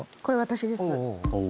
これ私です。